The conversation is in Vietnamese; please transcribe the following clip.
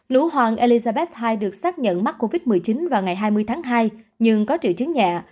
nữ hoàng elizabeth ii được xác nhận mắc covid một mươi chín vào ngày hai mươi tháng hai nhưng có triệu chứng nhẹ